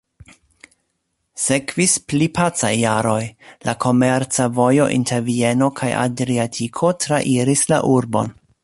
Sekvis pli pacaj jaroj, la komerca vojo inter Vieno kaj Adriatiko trairis la urbon.